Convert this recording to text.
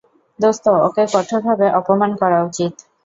দোস্ত, ওকে কঠোরভাবে অপমান করা উচিত।